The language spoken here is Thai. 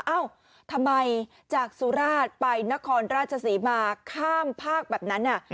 เอ้าทำไมจากสุราชไปนครราชศรีมาข้ามภาคแบบนั้น